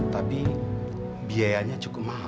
tapi biayanya cukup mahal